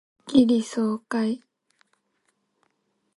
スッキリ爽快